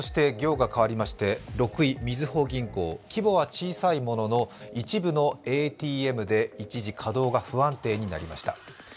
そして６位、みずほ銀行、規模は小さいものの一部ＡＴＭで一時、稼働が不安定になりました。